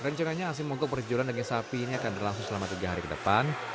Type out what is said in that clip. rencananya aksi mogok perjualan daging sapi ini akan berlangsung selama tiga hari ke depan